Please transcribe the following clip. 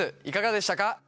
いかがでしたか？